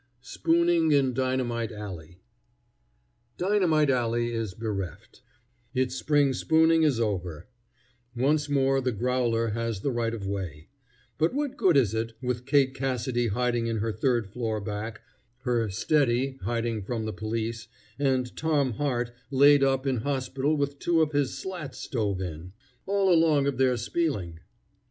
SPOONING IN DYNAMITE ALLEY Dynamite Alley is bereft. Its spring spooning is over. Once more the growler has the right of way. But what good is it, with Kate Cassidy hiding in her third floor back, her "steady" hiding from the police, and Tom Hart laid up in hospital with two of his "slats stove in," all along of their "spieling"?